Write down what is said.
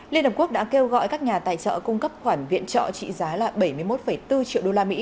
liên hợp quốc đã kêu gọi các nhà tài trợ cung cấp khoản viện trợ trị giá là bảy mươi một bốn triệu đô la mỹ